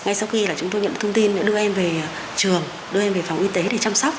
ngay sau khi chúng tôi nhận thông tin đã đưa em về trường đưa em về phòng y tế để chăm sóc